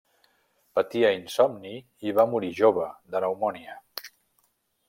Patia insomni i va morir jove de pneumònia.